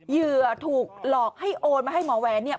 เหยื่อถูกหลอกให้โอนมาให้หมอแหวนเนี่ย